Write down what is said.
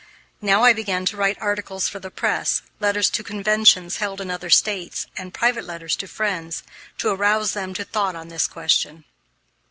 Now I began to write articles for the press, letters to conventions held in other States, and private letters to friends, to arouse them to thought on this question.